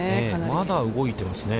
まだ動いてますね。